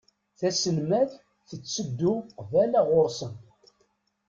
Taselmadt tetteddu qbala ɣur-sen.